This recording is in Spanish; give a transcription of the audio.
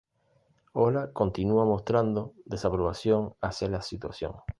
Ora continúa mostrando desaprobación hacia la situación.